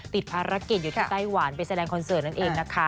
ติดภารกิจอยู่ที่ไต้หวันไปแสดงคอนเสิร์ตนั่นเองนะคะ